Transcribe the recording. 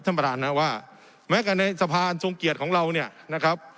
ท่านประธานนะว่าแม้กันในสะพานทรงเกียจของเราเนี่ยนะครับ